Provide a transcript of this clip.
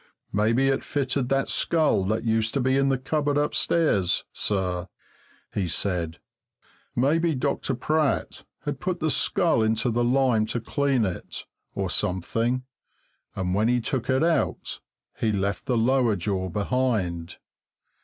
"Maybe it fitted that skull that used to be in the cupboard upstairs, sir," he said. "Maybe Dr. Pratt had put the skull into the lime to clean it, or something, and when he took it out he left the lower jaw behind.